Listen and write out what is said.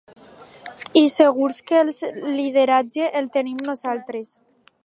I segurs que el lideratge el tenim nosaltres.